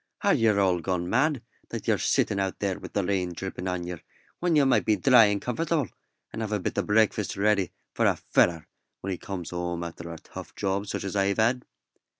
"Are yer all gone mad that yer sitting out there wi' the rain drippin' on yer, when yer might be dry an' comfortable, and have a bit o' breakfast ready for a feller when he comes home after a tough job such as I've had?"